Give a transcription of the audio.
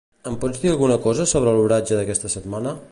Em pots dir alguna cosa sobre l'oratge d'aquesta setmana?